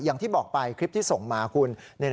อย่างที่บอกไปคลิปที่ส่งมาคุณ